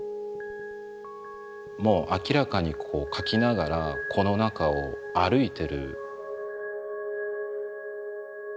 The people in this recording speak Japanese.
もう明らかにこう描きながらこの中を歩いてる。